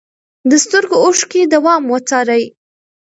د سترګو اوښکې دوام وڅارئ.